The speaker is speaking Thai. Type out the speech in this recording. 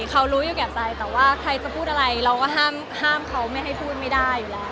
เขารู้อยู่แก่ใจแต่ว่าใครจะพูดอะไรเราก็ห้ามเขาไม่ให้พูดไม่ได้อยู่แล้ว